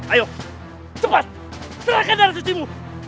ayo cepat serahkan darah suci mu